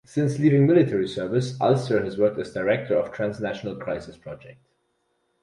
Since leaving military service, Ulster has worked as director of Transnational Crisis Project.